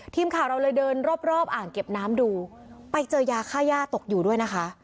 ทีมข่าวเราเลยเดินรอบรอบอ่างเก็บน้ำดูไปเจอยาค่าย่าตกอยู่ด้วยนะคะ